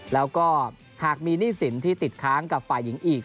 แล้วก็หากมีหนี้สินที่ติดค้างกับฝ่ายหญิงอีก